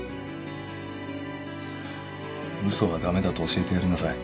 嘘は駄目だと教えてやりなさい。